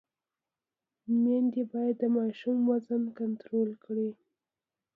میندې باید د ماشوم وزن کنټرول کړي۔